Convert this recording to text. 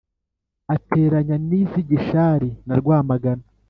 ateranya n’iz’i gishari na rwamagana